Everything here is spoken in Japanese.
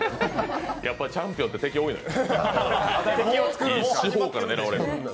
やっぱ、チャンピオンって敵が多いのよ。